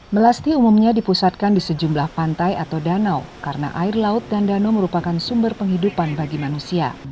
melasti umumnya dipusatkan di sejumlah pantai atau danau karena air laut dan danau merupakan sumber penghidupan bagi manusia